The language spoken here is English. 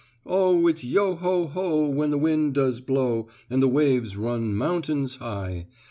Oh, it's yo ho ho when the wind does blow, And the waves run mountains high.